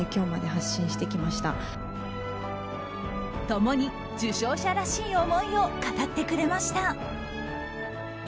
ともに受賞者らしい思いを語ってくれました。